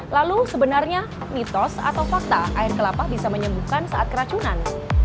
lalu sebenarnya mitos atau fakta air kelapa bisa menyembuhkan saat keracunan